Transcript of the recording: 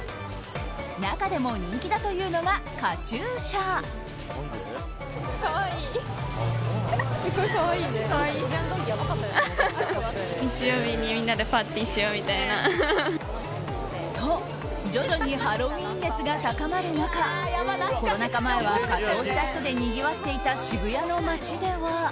中でも人気だというのがカチューシャ。と、徐々にハロウィーン熱が高まる中コロナ禍前は仮装した人でにぎわっていた渋谷の街では。